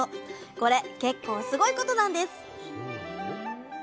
これ結構すごいことなんですそうなの？